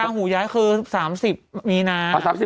ราหุย้ายคือ๓๐มีนาครับ